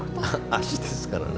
足ですからね。